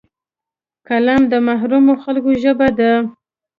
قلم د محرومو خلکو ژبه ده